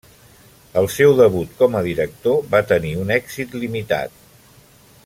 El seu debut com a director va tenir un èxit limitat.